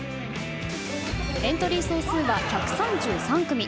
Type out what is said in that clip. エントリー総数は１３３組。